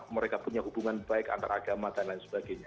mereka punya hubungan baik antaragama dan lain sebagainya